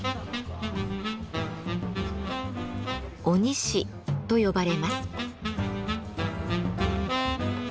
鬼師と呼ばれます。